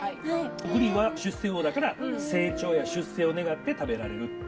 ブリは出世魚だから成長や出世を願って食べられる。